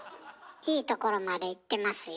いいところまでいってますよ。